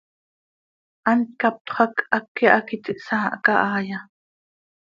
¿Hant captxö hac háqui hac iti hsaahca haaya?